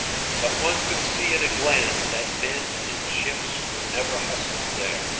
But one could see at a glance that men and ships were never hustled there.